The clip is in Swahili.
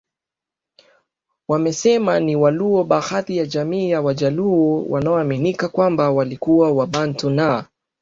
wasema ni wa luoBaadhi ya jamii ya Wajaluo wanaoaminika kwamba walikuwa Wabantu na